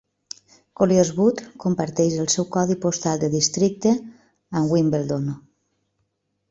Colliers Wood comparteix el seu codi postal de districte amb Wimbledon.